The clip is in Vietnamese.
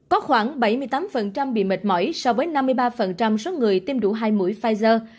có khoảng bảy mươi tám bị mệt mỏi so với năm mươi ba số người tiêm đủ hai mũi pfizer